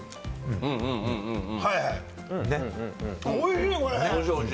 おいしい、これ。